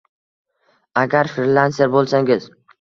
Agar frilanser bo’lsangiz